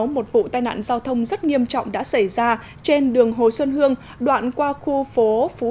một vụ tai nạn giao thông rất nghiêm trọng đã xảy ra trên đường hồ xuân hương đoạn qua khu phố phú